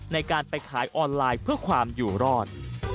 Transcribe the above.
ในการไปขายออนไลน์เพื่อความอยู่รอด